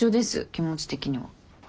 気持ち的には。